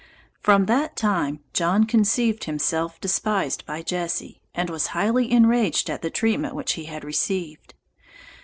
From that time John conceived himself despised by Jesse, and was highly enraged at the treatment which he had received.